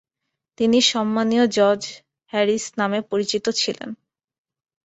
তিনি সম্মানীয় George Harris নামে পরিচিত ছিলেন।